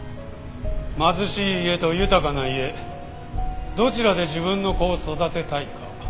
貧しい家と豊かな家どちらで自分の子を育てたいか。